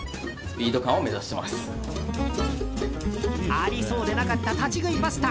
ありそうでなかった立ち食いパスタ。